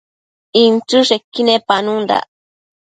inchËshequi nepanundac